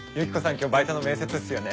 今日バイトの面接っすよね？